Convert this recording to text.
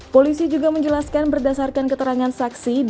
polisi juga menjelaskan berdasarkan keterangan saksi